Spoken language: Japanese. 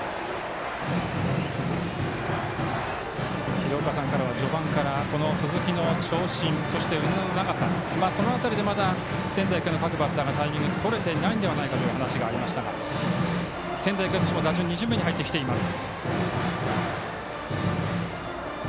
廣岡さんからは序盤から、鈴木の長身そして腕の長さ、その辺りでまだ仙台育英のバッターがタイミングとれていないのではないかというお話がありましたが仙台育英としても打順２巡目に入ってきています。